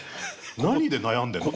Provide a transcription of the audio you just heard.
何で悩んでるの。